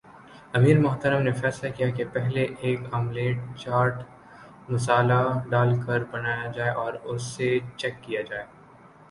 امیر محترم نے فیصلہ کیا کہ پہلے ایک آملیٹ چاٹ مصالحہ ڈال کر بنایا جائے اور اسے چیک کیا جائے